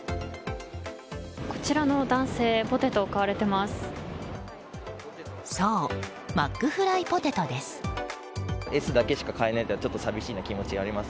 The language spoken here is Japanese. こちらの男性ポテトを買われています。